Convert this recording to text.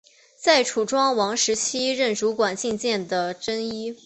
在楚庄王时期任主管进谏的箴尹。